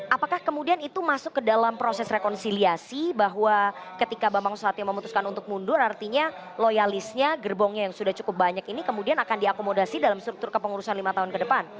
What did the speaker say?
apakah kemudian itu masuk ke dalam proses rekonsiliasi bahwa ketika bambang susatyo memutuskan untuk mundur artinya loyalisnya gerbongnya yang sudah cukup banyak ini kemudian akan diakomodasi dalam struktur kepengurusan lima tahun ke depan